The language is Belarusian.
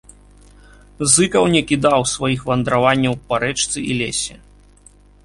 Зыкаў не кідаў сваіх вандраванняў па рэчцы і лесе.